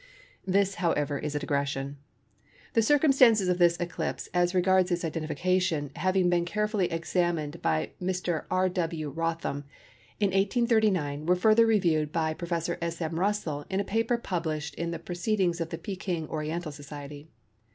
This, however, is a digression. The circumstances of this eclipse as regards its identification having been carefully examined by Mr. R. W. Rothman, in 1839 were further reviewed by Professor S. M. Russell in a paper published in the proceedings of the Pekin Oriental Society.